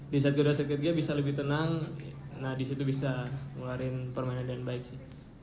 di saat generasi ketiga bisa lebih tenang nah disitu bisa ngeluarin permainan dengan baik sih